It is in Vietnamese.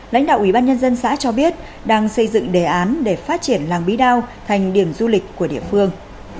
lãnh đạo ủy ban nhân dân xã cho biết đang xây dựng đề án để phát triển làng bí đao thành điểm du lịch của địa phương